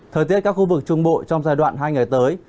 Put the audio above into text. thời tiết các khu vực trung bộ trong giai đoạn hai ngày tới